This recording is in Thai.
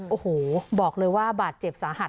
โอ้โหบอกเลยว่าบาดเจ็บสาหัส